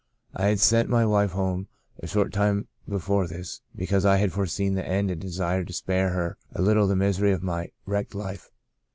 I had sent my wife home a short time before this, be cause I had foreseen the end and desired to spare her a little of the misery of my wrecked life.